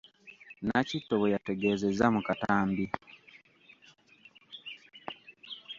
Nakitto bwe yategeezezza mu katambi.